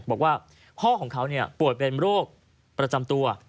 บอกว่าพ่อของเขาป่วยเป็นโรคประจำตัว